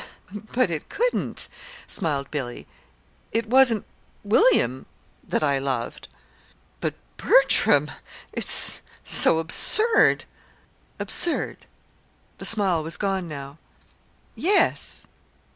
"But it couldn't," smiled Billy. "It wasn't William that I loved." "But Bertram! it's so absurd." "Absurd!" The smile was gone now. "Yes.